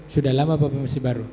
sudah lama bapak masih baru